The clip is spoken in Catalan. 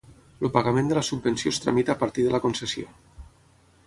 El pagament de la subvenció es tramita a partir de la concessió.